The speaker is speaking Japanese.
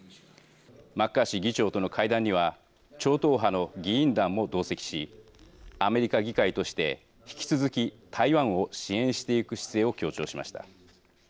マッカーシー議長との会談には超党派の議員団も同席しアメリカ議会として、引き続き台湾を支援していく姿勢を強調しました。